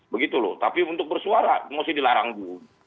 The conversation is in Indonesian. begitu loh tapi untuk bersuara mesti dilarang dulu